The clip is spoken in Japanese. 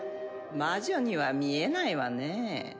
魔女には見えないわねぇ。